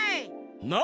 な？